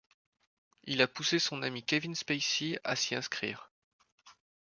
Il a poussé son ami Kevin Spacey à s'y inscrire.